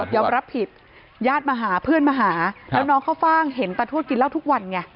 รับผิดญาติมาหาเพื่อนมาหาแล้วน้องเข้าฟ่างเห็นตาทวดกินเหล้าทุกวันไง